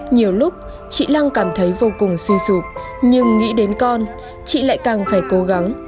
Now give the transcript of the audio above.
nhiều lúc chị lăng cảm thấy vô cùng suy sụp nhưng nghĩ đến con chị lại càng phải cố gắng